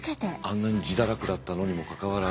あんなに自堕落だったのにもかかわらず？